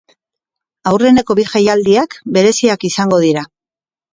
Aurreneko bi jaialdiak bereziak izango dira.